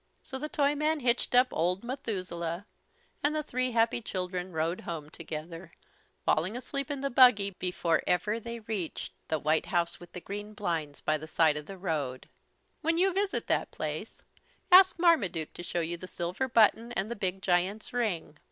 So the Toyman hitched up "old Methuselah," and the three happy children rode home together, falling asleep in the buggy before ever they reached the White House with the Green Blinds by the side of the road. When you visit that place ask Marmaduke to show you the silver button and the big giant's ring.